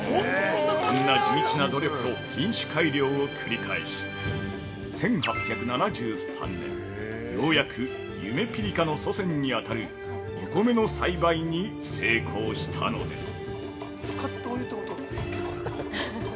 こんな地道な努力と品種改良を繰り返し、１８７３年、ようやくゆめぴりかの祖先に当たるお米の栽培に成功したのです。